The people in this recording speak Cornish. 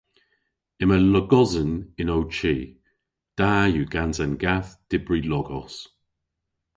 Yma logosen yn ow chi. Da yw gans an gath dybri logos.